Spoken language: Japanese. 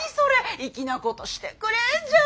粋なことしてくれんじゃん！